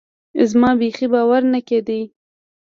زما بيخي باور نه کېده.